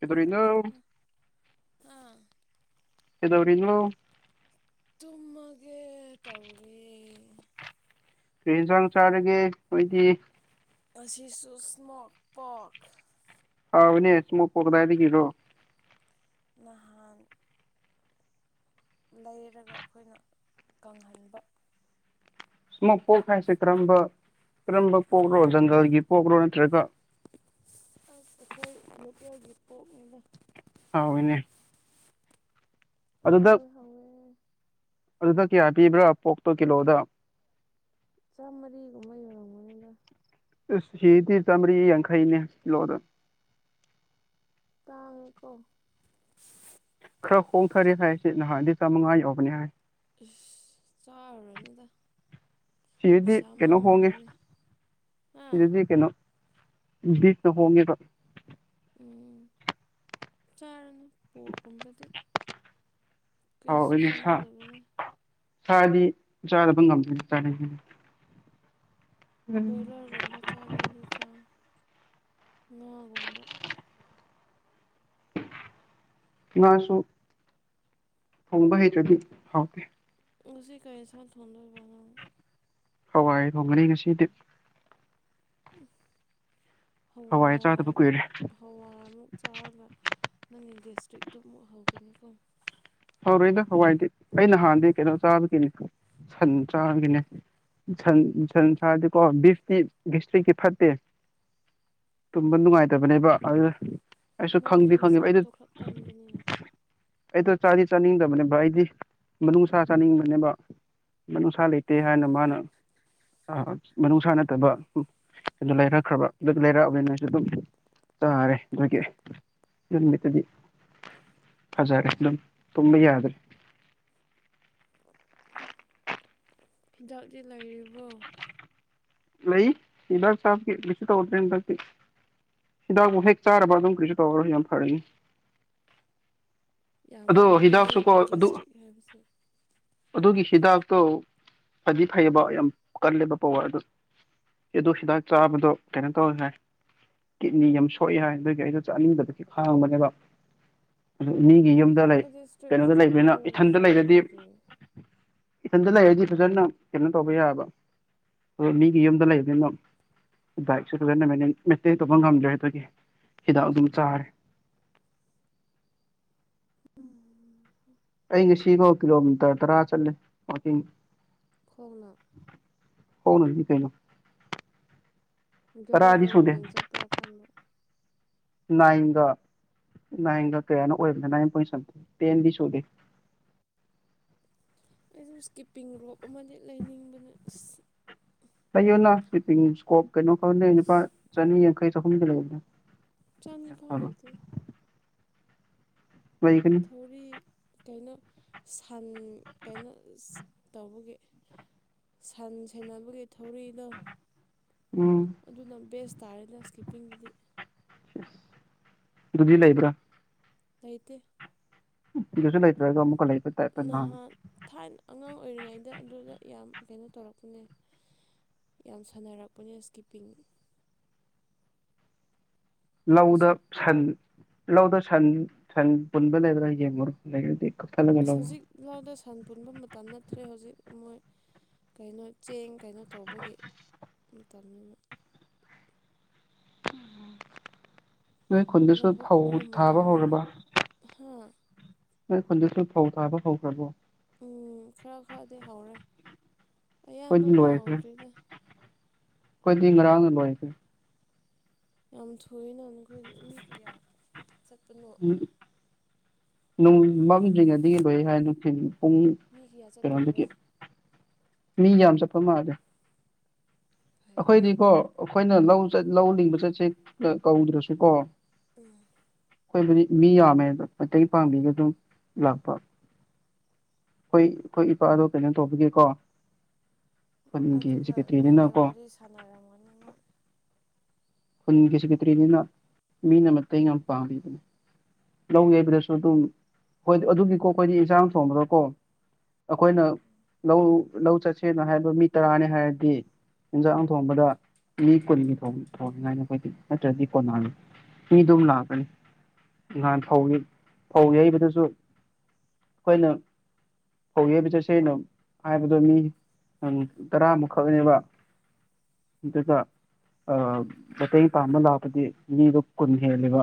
ꯀꯩꯗꯧꯔꯤꯅꯣ ꯑꯥ ꯑꯦꯗꯧꯔꯤꯅꯣ ꯇꯨꯃꯒꯦ ꯇꯧꯔꯤ ꯀ ꯌꯦꯟꯁꯥꯡ ꯆꯥꯔꯒꯦ ꯑꯩꯣꯏꯗꯤ ꯑꯁꯤꯁꯨ ꯁꯃꯣꯛ ꯄ ꯍꯅꯦ ꯃ ꯄꯨꯗꯥꯗꯤ ꯀꯤꯔꯣ ꯉꯍꯥꯟ ꯂꯩꯔꯒ ꯑꯩꯈꯣꯏꯅ ꯀꯪꯍꯟꯕ ꯁꯃ ꯄꯣꯛ ꯍꯥꯏꯁꯦ ꯀꯔꯝꯕ ꯀꯔꯝꯕ ꯍꯥ ꯄꯣꯛꯔꯣ ꯖꯪꯒꯜꯒꯤ ꯄꯣꯛ꯭ꯔꯣ ꯅꯠꯇ꯭ꯔꯒ ꯑꯈꯣꯏ ꯃꯇꯌꯥ ꯞꯣꯛꯃꯤ ꯍ ꯏꯅꯦ ꯑꯗꯨꯗ ꯍꯥꯎꯋꯦ ꯍꯥꯎꯋꯦ ꯑꯗꯨ ꯀꯌꯥ ꯄꯕ꯭ꯔꯥ ꯄꯣꯛꯇꯣ ꯀꯤꯂꯣꯗ ꯆꯃꯔꯤꯒꯨꯝꯃ ꯌꯔ ꯃꯣꯅꯦꯗ ꯁꯤꯗꯤ ꯆꯥꯝꯃꯔꯤ ꯌꯥꯡꯈꯩꯅꯦ ꯁꯤꯂꯣꯗ ꯇꯥꯡꯀꯣ ꯈꯔ ꯍꯣꯡꯊꯔꯦ ꯍꯥꯏꯁꯤꯦ ꯅꯍꯥꯟꯗꯤ ꯆꯥꯝꯃꯉꯥ ꯌꯎꯕꯅꯦ ꯍꯥꯏ ꯆꯥꯔꯅꯗ ꯁꯤꯗꯗꯤ ꯀꯩꯅꯣ ꯍꯣꯡꯉꯦ ꯍꯥ ꯁꯤꯗꯗꯤ ꯀꯩꯅꯣ ꯠ ꯍꯣꯡꯉꯦꯕ ꯎꯝ ꯆꯥꯔꯅ ꯄꯣꯠꯀꯨꯝꯕꯗꯤ ꯀꯩꯁꯨ ꯀꯥꯟꯅꯗꯕꯅꯤ ꯁꯗꯤ ꯆꯥꯗꯕ ꯉꯝꯗ ꯆ ꯕꯣꯏꯂꯔꯒꯨꯝꯕ ꯆꯥꯒꯦꯗꯤ ꯆꯥ ꯉꯥꯒꯨꯝꯕ ꯉꯥꯁꯨ ꯊꯣꯡꯕ ꯍꯩꯇ꯭ꯔꯗꯤ ꯍꯥꯎꯗꯦ ꯉꯁꯤ ꯀ ꯏꯁꯥ ꯊꯣꯗ ꯄꯅ ꯍꯋꯥꯏ ꯊꯣꯡꯒꯅꯤ ꯉꯁꯤꯗꯤ ꯎ ꯍꯋꯥꯏ ꯆꯥꯗꯕ ꯀꯨꯏꯔꯦ ꯑꯃꯨꯛ ꯆꯥꯔꯒ ꯅꯪꯒꯤ ꯒꯦꯁꯇ꯭ꯔꯤꯛꯛꯇꯣ ꯑꯃꯨꯛ ꯍꯧꯒꯅꯤꯀꯣ ꯍ ꯍꯋꯥꯏꯗꯤ ꯑꯩꯅ ꯅꯍꯥꯟꯗꯤ ꯀꯩꯅꯣ ꯆꯥꯕꯒꯤꯅꯤ ꯁꯟ ꯆꯥꯕꯒꯤꯅꯦ ꯁꯟꯁꯥꯔꯗꯤꯀꯣ ꯕꯤꯐꯇꯤ ꯁꯇ꯭ꯔꯤꯛꯀꯤ ꯐꯠꯇꯦ ꯇ ꯅꯨꯡꯉꯥꯏꯇꯕꯅꯦ ꯏꯕ ꯑꯗꯨ ꯑꯩꯁꯨ ꯃꯥꯁꯦ ꯈꯪꯗꯤ ꯃꯁꯥ ꯈꯪꯉꯦꯕ ꯑꯩꯗꯣ ꯊꯣꯛꯈꯂꯛ ꯀꯟꯕꯅꯤꯅ ꯑꯩꯗꯣ ꯆꯥꯗꯤ ꯆꯥꯅꯤꯡꯗꯕꯅꯦꯕ ꯑꯩꯗꯤ ꯃꯅꯨꯡꯅꯨꯡꯁꯥ ꯆꯥꯅꯤꯡꯕꯅꯦꯕ ꯃꯅꯅꯨꯡꯁꯥ ꯂꯩꯇꯦ ꯍꯥꯏꯅ ꯃꯥꯅ ꯑ ꯃꯅꯨꯡꯅꯨꯡꯁꯥ ꯅꯠꯇꯕ ꯑꯗꯨ ꯂꯩꯔꯛꯈ꯭ꯔꯕ ꯑꯗꯨ ꯂꯩꯔꯛꯑꯕꯅꯤꯅꯣꯏꯁꯨ ꯑꯗꯨꯝ ꯇꯔꯦ ꯑꯗꯨꯦꯠꯇꯗꯤ ꯑ ꯖꯔ ꯑꯗꯨꯝ ꯇꯨꯝꯃ ꯌꯥꯗ꯭ꯔꯦ ꯍꯤꯗꯥꯛꯇ ꯂꯩꯔꯤꯕꯣ ꯂꯩ ꯏꯗꯥꯛ ꯆꯞ ꯁꯛꯇ ꯑꯣꯗ꯭ꯔꯦꯟ ꯇꯇ ꯍꯤꯗꯥꯛꯄꯨ ꯍꯦꯛ ꯆꯥꯔꯕ ꯑꯗꯨꯝ ꯀꯔꯤꯁꯨ ꯇꯧꯔꯁꯨ ꯌꯥꯝ ꯐꯔꯅꯤ ꯌꯥꯝ ꯑꯗꯣ ꯐꯩꯅ ꯍꯤꯗꯥꯛꯁꯨꯀꯣ ꯅꯣꯏꯒꯤ ꯑꯗꯨ ꯒꯦꯁꯇ꯭ꯔꯤꯛ ꯍꯥꯏꯕꯁꯦ ꯑꯗꯨꯒꯤ ꯍꯤꯗꯥꯛꯇꯣ ꯐꯗꯤ ꯐꯩꯕ ꯎꯝ ꯌꯥꯝ ꯀꯜꯂꯦꯕ ꯄꯋꯥꯔꯗ ꯑꯗꯨ ꯍꯤꯗꯥꯛ ꯆꯥꯕꯗꯣ ꯀꯩꯅꯣ ꯇꯧꯋꯦ ꯍꯥꯏ ꯀꯤꯠꯅꯤ ꯌꯥꯝ ꯁꯣꯛꯑꯦ ꯍꯥꯏ ꯑꯗꯨꯒꯤ ꯑꯩꯗꯣ ꯆꯥꯅꯤꯡꯗꯕꯗꯤ ꯈꯥꯡꯕꯅꯦꯕ ꯑꯗꯨ ꯃꯤꯒꯤ ꯌꯨꯝꯗ ꯂꯩ ꯑꯩꯗꯤ ꯏꯁꯇꯤꯔꯤꯞ ꯀꯩꯅꯣꯗ ꯏꯁꯇꯤꯞ ꯂꯩꯕꯅꯤꯅ ꯂꯣꯏꯔꯒ ꯆꯥꯏ ꯑꯗꯨꯗꯤ ꯏꯊꯟꯇ ꯂꯩꯔꯗꯤ ꯐꯖꯅ ꯀꯩꯅꯣ ꯇꯧꯕ ꯌꯥꯕ ꯍ ꯃꯤꯒꯤ ꯌꯨꯝꯗ ꯂꯩꯕꯅꯤꯅꯣ ꯏꯛꯁꯨ ꯐꯖꯅ ꯃ ꯃꯦꯇꯩ ꯇꯧꯕ ꯉꯝꯗ꯭ꯔꯦ ꯑꯗꯨꯒꯤ ꯍꯤꯗꯥꯛ ꯑꯗꯨꯝ ꯆꯥꯔꯦ ꯎꯝ ꯁꯤꯈꯣ ꯀꯂꯣꯃꯤꯇꯔ ꯇꯔꯥ ꯆꯜꯂꯦ ꯈꯣꯡꯅ ꯍꯅ ꯏ ꯀꯦꯅ ꯘꯔꯤꯗ ꯋꯥꯛꯀꯤꯡ ꯆꯠꯄ꯭ꯔꯥ ꯈꯟꯕ ꯅꯥꯏꯒ ꯅꯥꯏꯟꯒ ꯀꯌꯥꯅꯣ ꯑꯣꯏꯕꯅ ꯅꯥꯏꯟꯟ ꯁ ꯇꯦꯟꯗꯤ ꯁꯨꯗꯦ ꯑꯩꯁꯨ ꯏꯁꯀꯤꯞꯄꯤꯡ ꯔꯣꯞ ꯑꯃꯗꯤ ꯂꯩꯅꯤꯡꯕꯅ ꯑ ꯂꯩꯌꯣꯅ꯭ꯞꯄꯤꯡ ꯏꯁꯀꯣꯞ ꯀꯩꯅꯣ ꯈꯔꯅꯦꯅꯤꯄꯥ ꯆꯅꯤ ꯌꯥꯡꯈꯩ ꯆꯍꯨꯝꯗ ꯂꯩꯅꯦ ꯆꯥꯟꯅꯤ ꯐꯥꯎꯗ ꯂꯩꯒꯅꯤ ꯊꯧꯔꯤ ꯀꯩꯅꯣ ꯁꯟ ꯀꯩꯅꯣ ꯇꯧꯕꯒꯤ ꯁꯟ ꯁꯦꯅꯕꯒꯤ ꯊꯧꯔꯛꯏꯗꯣ ꯎꯝ ꯑꯗꯨꯅ ꯕꯦꯁ ꯇꯥꯔꯦꯅꯦ ꯏꯁꯀꯤꯞꯄꯤꯡꯒꯤꯗꯤ ꯑꯗꯨꯗꯨꯗꯤ ꯂꯩꯕ꯭ꯔꯥ ꯑꯩꯇ ꯏꯁꯨꯂꯥꯏ ꯑꯗꯨ ꯑꯃꯃꯛꯀꯂ ꯂꯩ ꯅꯍꯥꯟ ꯊꯥꯏꯅ ꯑꯉꯥꯡ ꯑꯣꯏꯔꯤꯉꯩꯗ ꯑꯗꯨꯗ ꯌꯥꯝ ꯀꯩꯅꯣ ꯇꯧꯔꯛꯄꯅꯦ ꯌꯥꯝ ꯁꯥꯟꯅꯔꯛꯄꯅꯦ ꯏꯁꯀꯤꯞꯄꯤꯡ ꯂꯧꯗ ꯍꯧꯖꯤꯛ ꯁꯟ ꯂꯧꯗ ꯁꯟ ꯁꯟ ꯄꯨꯟꯕ ꯂꯩꯕ꯭ꯔꯥ ꯌꯦꯡꯉꯨꯔꯣ ꯅꯗꯤ ꯑ ꯍꯧꯖꯤꯛ ꯂꯥꯎꯗ ꯁꯟ ꯄꯨꯟꯕ ꯃꯇꯝ ꯅꯠꯇ꯭ꯔꯦ ꯍꯧꯖꯤꯛ ꯃꯣꯏ ꯀꯩꯅꯣ ꯆꯦꯡ ꯀꯩꯅꯣ ꯇꯧꯕꯒꯤ ꯃꯇꯝꯅꯤꯅ ꯅꯣꯏ ꯈꯨꯟꯗꯁꯨ ꯂꯧꯕꯨꯛ ꯐꯧ ꯀꯨꯝꯕ ꯊꯥꯕ ꯃꯇꯝꯅꯤꯅ ꯍꯧꯔꯕ ꯍꯥ ꯅꯣꯏ ꯍꯟꯗꯛꯁꯨ ꯐꯧ ꯊꯥꯕ ꯍꯧꯈ꯭ꯔꯕꯣ ꯎꯝ ꯈꯔ ꯈꯔꯗꯤ ꯍꯧꯔꯦ ꯑꯌꯥꯝꯕꯗꯤ ꯍꯧꯗ꯭ꯔꯤꯗ ꯀꯣꯏ ꯉ ꯔꯥꯎꯕꯁ ꯌꯥꯝ ꯊꯣꯏꯅ ꯅꯈꯣꯏ ꯃꯤ ꯀꯌꯥ ꯆꯠꯄꯅꯣ ꯅꯨꯡ ꯃꯝꯁꯤꯡ ꯑꯅꯤ ꯂꯣꯏꯦ ꯍꯥꯏ ꯅꯨꯡ ꯄꯨꯡ ꯃꯤ ꯀꯌꯥ ꯆꯠꯄꯒꯤꯔꯣ ꯀꯩꯅꯣꯗꯒꯤ ꯃꯤ ꯌꯥꯝ ꯆꯠꯄ ꯃꯥꯜꯂꯦ ꯐꯩꯅ ꯑꯩꯈꯣꯏꯗꯤꯀꯣ ꯑꯩꯈꯣꯏꯅ ꯎꯝ ꯂꯧ ꯆ ꯂꯧ ꯂꯤꯡꯕ ꯆꯠꯁꯦ ꯀꯧꯗ꯭ꯔꯁꯨ ꯀꯣ ꯎꯝ ꯑꯩꯈꯣꯏꯕꯨꯗꯤ ꯃꯤ ꯌꯥꯝꯃꯦꯗ ꯃꯇꯩꯇꯩ ꯄꯥꯡꯕꯤꯒ ꯑꯗꯨꯝ ꯂꯥꯛꯄ ꯍꯣꯏ ꯑꯩꯈꯣꯏ ꯏꯄꯥꯗꯣ ꯀꯩꯅꯣ ꯇꯧꯕꯒꯦꯀꯣ ꯍꯣꯏꯦ ꯁꯤ ꯀꯦꯇꯔꯤꯅꯤꯅꯀꯣ ꯁꯥꯟꯅꯔꯝꯒꯅꯤꯃꯛ ꯈꯨꯟꯒꯤꯁꯤꯀꯇ꯭ꯔꯤꯅꯤꯅ ꯃꯤꯅ ꯃꯇ ꯌꯥꯝ ꯄꯥꯝꯕꯅꯤ ꯂꯧꯒꯦꯕꯗꯁꯨ ꯑꯗꯨꯝ ꯍꯣꯏ ꯑꯗꯨꯒꯤꯀꯣ ꯑꯩꯈꯣꯏꯗꯤ ꯏꯟꯁꯥꯡ ꯊꯣꯡꯕꯗꯣ ꯀꯣ ꯑꯩꯈꯣꯏꯅ ꯂꯧ ꯂꯧ ꯆꯠꯁꯦꯅ ꯍꯥꯏꯕ ꯃꯤ ꯇꯔꯥꯅꯤ ꯍꯥꯏꯔꯗꯤ ꯌꯦꯟꯖꯥꯡ ꯊꯣꯡꯕꯗ ꯃꯤ ꯀꯨꯟꯒꯤ ꯊꯣꯡꯅꯤꯉꯥꯏꯅ ꯑꯩꯈꯣꯏꯗꯤ ꯅꯠꯇ꯭ꯔꯗꯤ ꯀꯣꯟꯅꯥꯅꯤ ꯃꯤ ꯑꯗꯨꯝ ꯂꯥꯛꯀꯅꯤ ꯅꯍꯥꯟ ꯐꯧꯒꯤ ꯐꯧ ꯌꯩꯕꯗꯁꯨ ꯑꯩꯈꯣꯏꯅ ꯐꯧ ꯌꯦꯕ ꯆꯠꯁꯦꯅ ꯍꯥꯏꯕꯗꯣ ꯃꯤ ꯇꯔꯥꯃꯨꯛꯈꯛꯅꯦꯕ ꯏꯠꯇꯀ ꯑ ꯃꯇꯦꯡ ꯄꯥꯡꯝꯕ ꯂꯥꯛꯄꯗꯤ ꯃꯤꯗꯣ ꯀꯨꯟ ꯍꯦꯜꯂꯤꯕ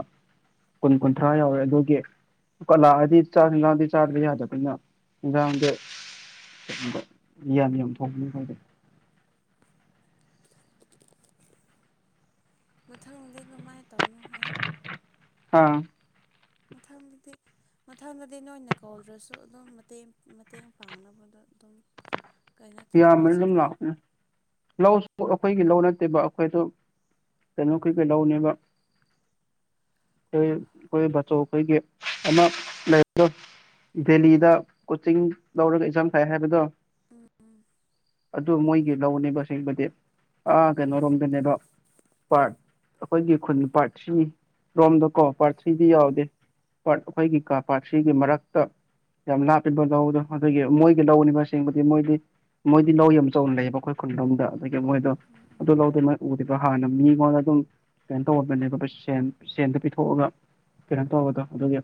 ꯀꯨꯟ ꯀꯨꯟꯊ꯭ꯔꯥ ꯌꯥꯎꯔꯦ ꯑꯗꯨꯒꯤ ꯂꯥꯛꯗꯤ ꯆꯥ ꯂꯥꯗ ꯆꯥꯗ ꯂꯩ ꯌꯥꯗ ꯄ ꯂꯗ ꯏ ꯌꯥꯝ ꯊꯣꯛꯣꯡꯅꯤ ꯍꯥꯏꯗꯦ [unintelligible] ꯃꯊꯪꯗꯤ ꯀꯃꯥꯏꯅ ꯇꯧꯅꯣ ꯍꯥꯏꯌꯣ ꯑꯥ ꯃꯊꯪꯗꯗꯤ ꯃꯊꯪꯗꯗꯤ ꯅꯣꯏꯅ ꯀꯧꯗ꯭ꯔꯁꯨ ꯑꯗꯨꯝ ꯃꯇꯦꯡ ꯃꯇꯦꯡ ꯄꯥꯡꯅꯕꯗꯣ ꯑꯗꯨꯗꯝ ꯌꯥ ꯃꯝ ꯂꯥꯛ ꯂ ꯄꯣ ꯑꯩꯈꯣꯏꯒꯤ ꯂꯧ ꯅꯠꯇꯦꯕ ꯑꯩꯈꯣꯏ ꯑꯗꯨ ꯆꯩꯅꯣ ꯑꯩꯈꯣꯏꯒ ꯂꯧꯅꯦꯕ ꯑꯩꯈꯣꯏ ꯑꯩꯈꯣꯏ ꯕꯥꯆꯧ ꯑꯩꯈꯣꯏꯒꯤ ꯑꯃ ꯂꯩꯗꯣ ꯗꯦꯂꯤꯗ ꯀꯣꯆꯤꯡ ꯂꯧꯔꯒ ꯑꯦꯛꯖꯥꯝ ꯊꯥꯏ ꯍꯥꯏꯕꯗꯣ ꯎꯝ ꯎꯝ ꯑꯗꯨ ꯃꯣꯏꯒꯤ ꯂꯧꯅꯦꯕꯁꯦꯡꯕꯗꯤ ꯑꯥ ꯀꯩꯅꯣꯔꯣꯝꯗꯅꯦꯕ ꯄꯥꯔꯠ ꯑꯩꯈꯣꯏꯒꯤ ꯈꯨꯟ ꯄꯥꯔꯠ ꯊ꯭ꯔꯤꯅꯤ ꯔꯣꯝꯗꯀꯣ ꯄꯥꯔꯠ ꯊ꯭ꯔꯤꯗꯤ ꯎꯝ ꯌꯥꯎꯗꯦ ꯄꯥꯠ ꯑꯩꯈꯣꯏꯒꯤ ꯀꯥ ꯄꯥꯠꯁꯤꯒꯤ ꯃꯔꯛꯇ ꯌꯥꯝ ꯂꯥꯂꯤꯕ ꯂꯧꯗꯣ ꯑꯗꯨꯒꯤ ꯃꯣꯏꯒꯤ ꯂꯧꯅꯤꯕ ꯑꯁꯦꯡꯕꯗꯤ ꯃꯣꯏꯗꯤ ꯃꯣꯏꯗꯤ ꯂꯧ ꯌꯥꯝ ꯆꯥꯎꯅ ꯂꯩꯌꯦꯕ ꯑꯩꯈꯣꯏ ꯈꯨꯟꯂꯗ ꯑꯗꯒꯤ ꯃꯣꯏꯗꯣ ꯎꯝ ꯑꯗꯨ ꯂꯧꯗ ꯃ ꯎꯗꯦ ꯑꯗꯣ ꯍꯥꯟꯅ ꯃꯤꯉꯣꯟꯗ ꯑꯗꯨꯝ ꯁꯄꯦꯟ ꯇꯧꯍꯄꯅꯦꯕ ꯁꯦꯟ ꯁꯦꯟꯗ ꯄꯤꯊꯣꯛꯑꯒ ꯀꯩꯅ ꯇꯒꯗꯣ ꯑꯗꯨꯒꯤ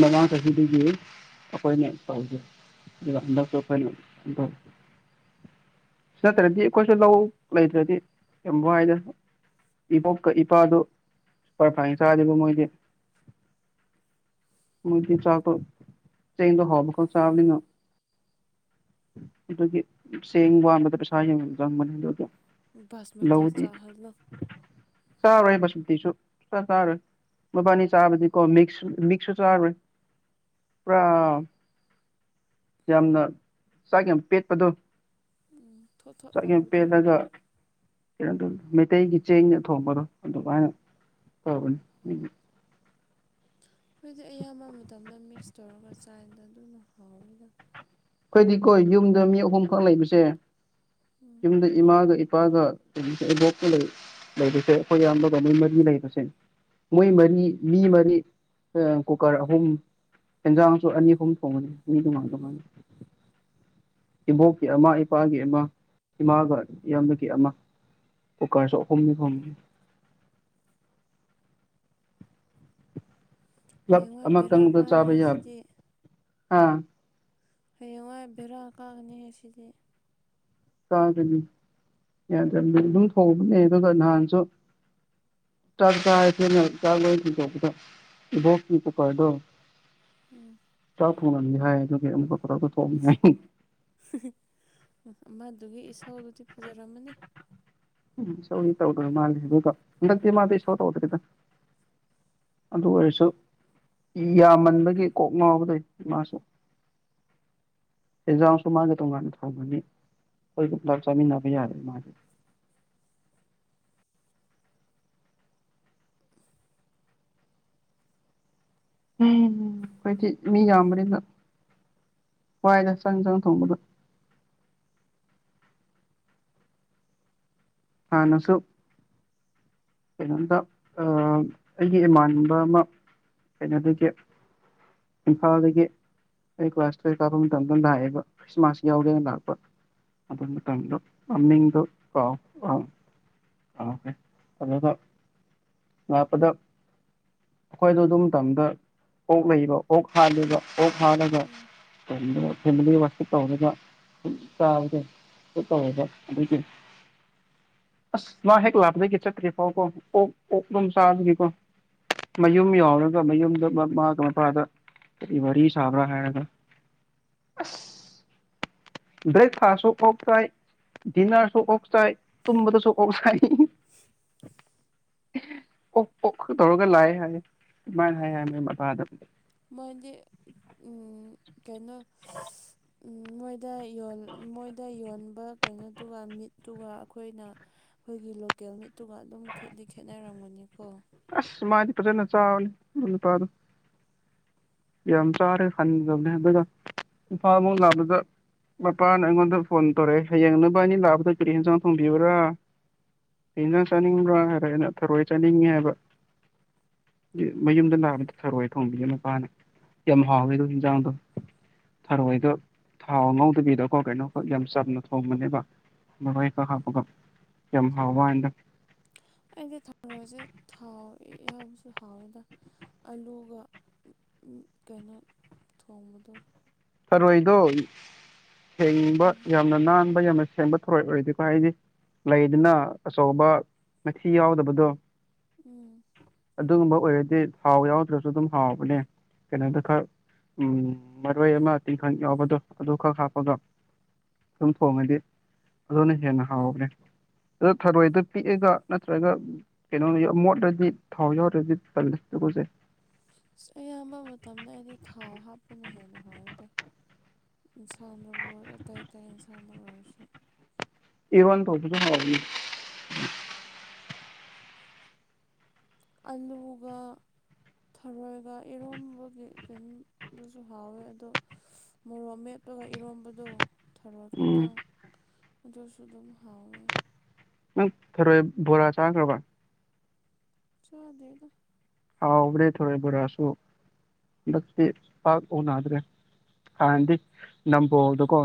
ꯃꯃꯥꯡ ꯆꯍꯤꯗꯒꯤ ꯑꯩꯈꯣꯏꯅ ꯇꯧꯖꯩ ꯍꯟꯗꯛ ꯍꯂꯣ ꯅꯠꯇ꯭ꯔꯗꯤ ꯑꯩꯈꯣꯏꯁꯨ ꯂꯧ ꯂꯩꯇ꯭ꯔꯗꯤ ꯌꯥꯝ ꯋꯥꯏꯗꯅ ꯏꯕꯣꯛꯀ ꯏꯄꯥꯗꯨ ꯄꯔꯐꯥꯏꯅ ꯆꯥꯗꯦꯕ ꯃꯣꯏꯗꯤ ꯃꯗꯤ ꯆꯀ ꯆꯗ ꯍꯣꯕꯀ ꯆꯥꯕꯂꯤꯅꯣ ꯑꯗꯨ ꯁꯦꯡ ꯋꯥꯁ ꯥꯁꯃꯇꯤ ꯆꯍꯂꯨ ꯆꯥꯔꯣꯏꯁꯇꯤꯁꯨ ꯆ ꯆꯥꯔꯣꯏ ꯃꯕꯥꯅꯤ ꯆꯥꯕꯗꯤꯀꯣ ꯃꯤꯛꯁ ꯃꯤꯛꯁꯁꯨ ꯆꯥꯔꯨꯔꯣꯏ ꯄꯨꯔꯥ ꯌꯥꯝꯅ ꯆꯥꯛ ꯌꯥꯝ ꯄꯦꯠꯄꯗꯣ ꯎꯝ ꯊꯣꯠ ꯊꯣꯠ ꯆꯥꯛ ꯌꯦ ꯌꯥꯝ ꯂꯥꯎꯕꯗꯣ ꯄꯦꯠꯂꯒ ꯀꯩꯅꯣ ꯃꯩꯇꯩꯒꯤ ꯆꯦꯡꯅ ꯊꯣꯡꯕꯗꯣ ꯑꯗꯨꯃꯥꯏꯅ ꯇꯧꯕꯅꯤ ꯑꯩꯈꯣꯏꯗꯤ ꯑꯩꯈꯣꯏꯗꯤꯀꯣ ꯑꯌꯥꯝꯕ ꯃꯇꯝꯗ ꯃꯤꯛꯁ ꯇꯧꯔꯒ ꯆꯥꯏꯗ ꯑꯗꯨꯅ ꯍꯥꯎꯋꯤꯗ ꯑꯩꯈꯣꯏꯗꯤꯀꯣ ꯌꯨꯝꯗ ꯃꯤ ꯑꯍꯨꯝꯈꯛ ꯂꯩꯕꯁꯦ ꯎꯝ ꯌꯨꯝꯗ ꯏꯃꯥꯒ ꯏꯄꯥꯒ ꯀꯦ ꯏꯕꯣꯛꯀ ꯂꯩꯕꯁꯦ ꯑꯩꯈꯣꯏ ꯑꯌꯥꯝꯕꯒ ꯃꯣꯏ ꯃꯔꯤ ꯂꯩꯕꯁꯦ ꯃꯣꯏ ꯃꯔꯤ ꯃꯤ ꯃꯔꯤ ꯀꯨꯀꯔ ꯑꯍꯨꯝ ꯌꯦꯦꯟꯖꯥꯡꯁꯨ ꯑꯅꯤ ꯑꯍꯨꯝ ꯊꯣꯡꯉꯅꯤ ꯃꯤ ꯇꯣꯉꯥꯟ ꯇꯣꯉꯥꯟꯅ [unintelligible] ꯏꯕꯣꯛꯀꯤ ꯑꯃ ꯏꯄꯥꯒꯤ ꯑꯃ ꯏꯃꯥꯒ ꯏꯌꯥꯝꯕꯒꯤ ꯑꯃ ꯑꯣꯀ ꯁ ꯀꯅ ꯀꯝ [unintelligible] ꯄꯨꯞ ꯍꯌꯦꯡꯋꯥꯏ ꯑꯃ ꯕꯦꯔꯥ ꯀꯪꯕꯗ ꯆꯥꯕ ꯀꯥꯅꯤꯍꯦ ꯌꯥꯕ ꯁꯤꯗꯤ ꯑꯥ ꯍꯌꯦꯡꯋꯥꯏ ꯕꯦꯔꯥ ꯀꯥꯒꯅꯤ ꯑꯁꯤꯗꯤ ꯀꯥꯒꯅꯤ ꯌꯥꯗ꯭ꯔꯕꯗꯤ ꯑꯗꯨꯝ ꯍꯧꯕꯅꯦ ꯑꯗꯨꯒ ꯅꯍꯥꯟꯁꯨ [inaudible] ꯆꯥꯛ ꯎꯝ ꯊꯣꯉꯝꯃꯤ ꯍꯥꯏ ꯑꯗꯨ ꯊ [inaudible] ꯑꯗꯨꯒꯤ ꯏꯁꯥꯎꯗꯨꯗꯤ ꯐꯖꯔꯝꯃꯅꯤ ꯢꯁꯧꯗꯤ ꯇꯧꯗꯔ ꯃꯟꯂꯦ ꯍꯟꯗꯛꯇꯤ ꯃꯗꯤ ꯢꯁꯧ ꯇꯧꯗꯔꯦꯗ ꯑꯗꯨ ꯑꯣꯏꯔꯁꯨ ꯌꯥꯝꯃꯟꯕꯒꯤ ꯀꯣꯛ ꯉꯥꯎꯕꯗꯣ ꯃꯥꯁꯨ ꯑꯦꯖꯥꯝꯁꯨ ꯃꯥꯥꯡꯒꯤ ꯇꯣꯉꯟꯅ ꯊꯥꯕꯒꯤ ꯈꯣꯢꯒ ꯄꯨꯂꯞ ꯆꯃꯤꯅꯥꯕ ꯌꯥꯔꯦ ꯃꯥꯒꯤ ꯀꯣꯏꯗꯤ ꯃꯤ ꯌꯥꯝꯕꯅꯤꯗ ꯋꯥꯏꯗ ꯆꯪ ꯢꯟꯁꯥꯡ ꯊꯣꯡꯕꯗ ꯑꯥ ꯅꯁꯨ ꯀꯩꯅꯣꯝꯗ ꯑꯩꯒꯤ ꯏꯃꯥꯟꯅꯕ ꯑꯃ ꯀꯩꯅꯣꯗꯗꯒꯤ ꯏꯝꯐꯥꯜꯗꯒꯤ ꯑꯩ ꯀ꯭ꯂꯥꯁ ꯇꯨꯌꯦ꯭ꯂꯞ ꯀꯥꯞꯕ ꯃꯇꯝꯗ ꯂꯥꯛꯑꯦꯕ ꯈ꯭ꯔꯤꯁꯃꯥꯁ ꯌꯥꯎꯒꯦꯅ ꯂꯥꯛꯄ ꯑꯗꯨ ꯃꯇꯝꯗꯣ ꯃꯃꯤꯡꯗꯣ ꯀꯥꯎ ꯀꯥꯎ ꯑ ꯀꯥꯎꯈꯔꯦ ꯑꯅ ꯂꯄꯗ [inaudible] ꯑꯩꯈꯣꯏꯗꯣ ꯑꯗꯨꯝ ꯃꯇꯝꯗ ꯑꯣꯛ ꯂꯩꯕ ꯑꯣꯛ ꯍꯥꯜꯂꯤꯕ ꯎꯝ [unintelligible] ꯇꯧꯔꯤꯕ ꯆꯥꯕꯗꯣ ꯇꯧꯔꯤꯕ ꯑꯗꯨꯗꯤ [inaudible] ꯃꯌꯨꯝ ꯌꯥꯎꯔꯒ ꯃꯌꯨꯝꯗ ꯃꯥꯃ ꯃꯄꯥꯗ ꯀꯔꯤ ꯋꯥꯔꯤ ꯁꯥꯕꯔꯥ ꯍꯥꯏꯔꯒ ꯕ꯭ꯔꯦꯛꯐꯥꯁꯁꯨ ꯑꯣꯛ ꯆꯥꯏ ꯗꯤꯅꯔꯁꯨ ꯑꯣꯛꯆꯥꯏ ꯇꯨꯝꯝꯕꯗ ꯁꯨ ꯑꯣꯛꯁꯥꯏ ꯑꯣꯛ ꯑꯣꯛ ꯇꯧꯔꯒ ꯂꯥꯛꯑꯦ ꯍꯥꯏ ꯑꯗꯨꯃꯥꯏꯅ ꯍꯥꯏ ꯍꯥꯏ ꯃꯣꯏ ꯃꯃꯥꯗ ꯃꯣꯢꯗꯤ ꯎ ꯀꯩꯅꯣ ꯗ ꯌꯣꯟ ꯃꯣꯏꯗ ꯌꯣꯟꯕ ꯀꯩꯅꯣꯗꯨꯒ ꯃꯤꯠ ꯇꯨꯒ ꯑꯩꯈꯣꯏꯅ ꯑꯩꯈꯣꯏꯒꯤ ꯂꯣꯀꯦꯜ ꯃꯤꯠꯇꯨꯒ ꯑꯗꯨꯝ ꯈꯦꯠꯇꯤ ꯈꯦꯠꯅꯔꯝꯒꯅꯤꯀꯣ ꯑ ꯃꯥꯗꯤ ꯐꯖꯅ ꯆꯥꯕꯅꯤ ꯅꯨꯄꯥꯗꯣ ꯌꯥꯝ ꯆꯥꯔꯦ ꯈꯟꯖꯕꯅꯦ ꯑꯗꯨꯒ ꯏꯝꯐꯥꯜꯃꯨꯛ ꯂꯥꯛꯄꯗ ꯃꯄꯥꯅ ꯑꯩꯉꯣꯟꯗ ꯐꯣꯟ ꯇꯧꯔꯛꯑꯦ ꯍꯌꯦꯡꯅꯕ ꯑꯅꯤ ꯂꯥꯛꯕꯗ ꯀꯔꯤ ꯌꯦꯟꯖꯥꯡ ꯊꯣꯡꯕꯤꯕ꯭ꯔꯥ ꯀꯩ ꯢꯟꯁꯥꯡ ꯆꯥꯅꯤꯡꯕ꯭ꯔꯥ ꯍꯥꯢꯒ ꯊꯔꯣꯏ ꯆꯥꯅꯤꯡꯉꯤ ꯍꯥꯏꯕ ꯃꯌꯨꯝꯗ ꯂꯥꯛꯕꯗ ꯊꯔꯣꯏꯑ ꯊꯣꯡꯝꯕꯤꯁ ꯃꯄꯥꯅ ꯌꯥꯝ ꯍꯥꯎꯋꯦ ꯑꯗ ꯌꯦꯟꯖꯥꯡꯗꯣ ꯊꯔꯣꯏꯗꯣ ꯊꯥꯎ ꯉ ꯉꯧꯗꯕꯤꯗꯀꯣ ꯀꯩꯅꯣ ꯌꯥꯝ ꯆꯥꯅ ꯊꯣꯡꯕꯅꯦꯕ ꯃꯔꯣꯏ ꯍꯥ ꯌꯥꯝ ꯍꯥꯎ ꯋꯥꯎꯕꯋꯅꯦꯗ ꯑꯩ ꯏꯌꯥꯝꯕꯁꯨ ꯍꯥꯎꯋꯦꯗ ꯑꯂꯨꯒ ꯀꯩꯅꯣ ꯊꯣꯡꯕꯗꯣ ꯊꯔꯣꯏꯗꯣ ꯊꯦꯡꯕ ꯎꯝ ꯌꯥꯝꯅ ꯅꯥꯟꯕ ꯌꯥꯝꯅ ꯑꯁꯦꯡꯕ ꯊꯣꯔꯣꯏ ꯑꯣꯏꯔꯗꯤꯀꯣ ꯍꯥꯏꯗꯤ ꯂꯩꯗꯨꯅ ꯑꯆꯧꯕ ꯃꯊꯤ ꯌꯥꯎꯗꯕꯗꯣ ꯎꯝ ꯑꯗꯨꯒꯨꯝꯕ ꯑꯣꯏꯔꯗꯤ ꯊꯥꯎ ꯌꯥꯎꯗ꯭ꯔꯁꯨ ꯑꯗꯨꯝ ꯍꯥꯎꯕꯅꯦ ꯀꯩꯅꯣꯗ ꯈꯔ ꯎꯝ ꯃꯔꯣꯏ ꯑꯃ ꯇꯤꯟꯈꯪ ꯌꯥꯎꯕꯗꯣ ꯑꯗꯨ ꯈꯛ ꯍꯥꯞꯄꯒ ꯑꯗꯨꯝ ꯊꯣꯡꯉꯗꯤ ꯑꯗꯨꯅ ꯍꯦꯟꯅ ꯍꯥꯎꯈ꯭ꯔꯦ ꯑꯗꯨ ꯊꯔꯣꯏꯗ ꯄꯤꯛꯑꯒ ꯅꯠꯇ꯭ꯔꯒ ꯀꯩꯅꯣ ꯃꯣꯠꯂꯗꯤ ꯊꯥꯎ ꯌꯥꯎꯔꯗꯤ ꯇꯟꯂꯦ ꯀꯁꯦ [unintelligible] ꯑꯁ ꯑꯌꯥꯝꯕ ꯃꯇꯝꯗ ꯑꯩꯗꯤ ꯊꯥꯎ ꯍꯥꯞꯄꯅ ꯍꯦꯟꯅ ꯍꯥꯎꯋꯤꯗ ꯏꯟꯁꯥꯡ ꯂ ꯑꯥꯏꯇꯥꯏ ꯏꯟꯁꯥꯡꯗ ꯑꯣꯏꯔꯁꯨ ꯏꯔꯣꯟꯇꯧꯕꯁꯨ ꯍꯥꯎꯅꯤ ꯑꯂꯨꯒ ꯊꯔꯣꯏꯒ ꯏꯔꯣꯝꯕꯒꯤ ꯀꯩꯅꯣꯗꯨꯁꯨ ꯍꯥꯎꯋꯦ ꯑꯗꯣ ꯃꯣꯔꯣꯛ ꯃꯦꯞꯄꯒ ꯏꯔꯣꯝꯕꯗꯣ ꯊꯔꯣꯏ ꯎꯝ ꯈꯛꯇꯪ ꯑꯗꯨꯗꯁꯨ ꯑꯗꯨꯝ ꯍꯥꯎꯋꯦ ꯑ ꯊꯔꯣꯏ ꯣꯣꯔ ꯆꯥꯕ ꯆꯗꯒ ꯍꯥꯎꯕꯦ ꯊꯣꯛꯔꯕꯣꯔꯁꯨꯣ ꯍꯟꯗꯛꯇꯤ ꯄꯥꯛ ꯎꯅꯗ꯭ꯔꯦ ꯍꯥꯟꯅꯗꯤ ꯅꯝꯕꯣꯜꯗꯀꯣ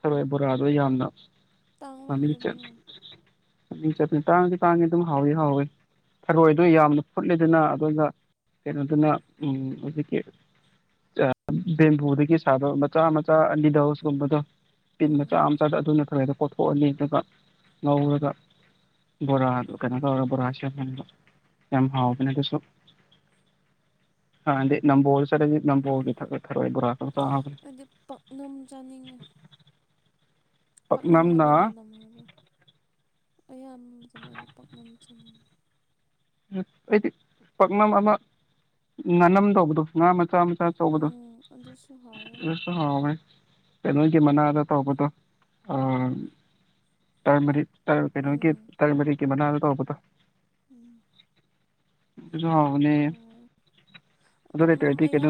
ꯊꯔꯏ ꯎꯝ ꯕꯣꯔꯥꯗꯣ ꯌꯥꯝꯅꯃꯤꯠ ꯇꯥꯡꯂꯝꯒꯅꯤꯌꯦ ꯅꯤꯡ ꯆꯠꯄꯅꯤ ꯇꯥꯡꯁꯤ ꯇꯥꯡꯉ ꯑꯗꯨꯝ ꯍꯥꯎꯏꯤ ꯍꯥꯎꯋꯤ ꯊꯔꯣꯏꯗ ꯌꯥꯝꯅ ꯐꯨꯠꯂꯤꯗꯅ ꯑꯗꯨꯒ ꯀꯩꯅꯣꯗꯨꯅ ꯍꯧꯖꯤꯛꯀꯤ ꯕꯦꯝꯕꯨꯗꯒꯤ ꯁꯥꯕ ꯃꯆꯥ ꯃꯆꯥ ꯑꯅꯤꯗꯣꯁꯀꯨꯝꯕꯗꯣ ꯇꯤꯟ ꯎꯝ ꯃꯆꯥ ꯑꯃꯆꯥꯗ ꯑꯗꯨꯅ ꯈꯔ ꯍꯗ ꯀꯣꯊꯣꯛꯑꯅꯤ ꯑꯗꯨꯒ ꯉꯧꯔꯒ ꯕꯣꯔꯥꯗ ꯀꯩꯅꯣ ꯇꯧꯔ ꯕꯣꯔꯁꯤ ꯌꯥꯝꯟꯕ ꯌꯥꯝ ꯍꯥꯎꯕꯅꯦ ꯑꯗꯨꯁꯨ ꯑꯗꯗꯤ ꯅꯝꯕ ꯍꯣ ꯆꯔ ꯅꯝꯕ ꯍ ꯊ ꯊꯔꯣꯕ꯭ꯔꯥ ꯍꯥꯏꯗꯤ ꯄꯥꯛꯅꯝ ꯆꯥꯅꯤꯡꯉꯤ ꯄꯥꯛꯅꯝ ꯄꯥꯛꯅꯝꯅ ꯍꯥꯏꯕ꯭ꯔꯥ ꯉꯥꯝꯅꯝ ꯍꯥꯏꯕ꯭ꯔꯥ ꯑꯌꯥꯝꯕ ꯁꯂꯅ ꯄꯥꯛꯅ ꯆꯅꯤꯡꯉꯦ ꯑꯩꯗꯤ ꯄꯥꯛꯅꯝ ꯑꯃ ꯉꯥꯅꯝꯗꯧꯕꯗꯣ ꯉꯥ ꯃꯆꯥ ꯑꯃ ꯁꯥ ꯆ ꯎꯝ ꯑꯗꯨꯁꯨ ꯍꯥꯎꯋꯦ ꯍꯥꯎ ꯀꯩꯅꯣꯒꯤ ꯃꯅꯥꯗ ꯇꯧꯕꯗꯣ ꯇꯔꯃꯔꯤ ꯇ ꯀꯩꯅꯣꯒꯤ ꯎꯝ ꯇꯔꯃꯔꯤꯒꯤ ꯃꯅꯥꯗꯣ ꯇꯧꯕꯗꯣ ꯎꯝ ꯍꯕꯅꯦ ꯍꯥꯎꯋꯦ ꯄꯥꯛꯅꯝ ꯑꯗꯨꯇꯗꯤ ꯀꯣ ꯑꯌꯥꯝ